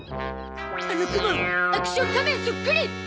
あの雲アクション仮面そっくり！